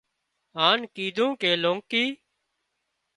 هانَ ڪيڌون ڪي لونڪي